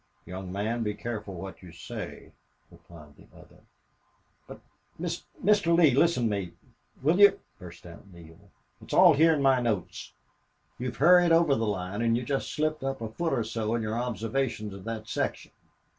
"Young man, be careful what you say," replied the other. "But Mr. Mr. Lee listen to me, will you?" burst out Neale. "It's all here in my notes. You've hurried over the line and you just slipped up a foot or so in your observations of that section."